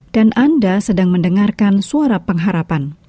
dan anda sedang mendengarkan suara pengharapan